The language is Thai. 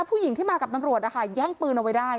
ผู้หญิงที่มากับตำรวจนะคะแย่งปืนเอาไว้ได้